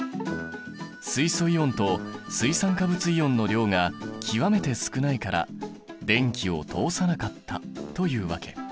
水素イオンと水酸化物イオンの量が極めて少ないから電気を通さなかったというわけ。